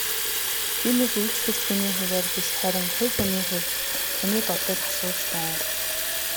Тиймээс үйлчлэгч хүний хувиар биш харин хувь хүний хувьд таны бодлыг асууж байна.